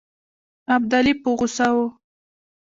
ابدالي په غوسه وو.